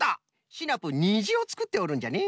シナプーにじをつくっておるんじゃね。